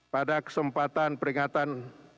pada kesempatan peringatan